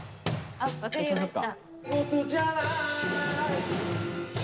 あ、分かりました。